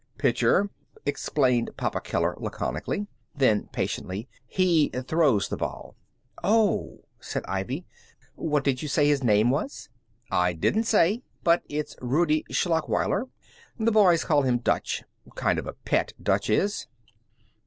"Pitcher," explained Papa Keller, laconically. Then, patiently: "He throws the ball." "Oh," said Ivy. "What did you say his name was?" "I didn't say. But it's Rudie Schlachweiler. The boys call him Dutch. Kind of a pet, Dutch is."